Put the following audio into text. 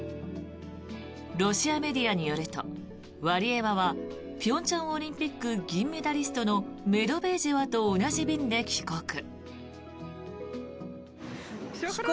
ロシアメディアによるとワリエワは平昌オリンピック銀メダリストのメドベージェワと同じ便で帰国。